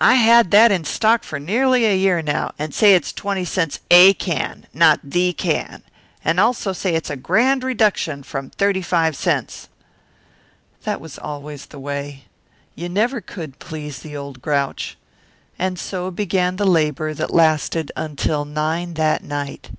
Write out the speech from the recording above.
I had that in stock for nearly a year now and say it's twenty cents 'a' can, not 'the' can. Also say it's a grand reduction from thirty five cents." That was always the way. You never could please the old grouch. And so began the labour that lasted until nine that night.